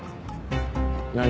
何？